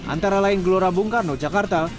antara lain gelora bung karno jakarta